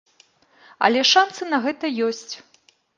Але шанцы на гэта ёсць.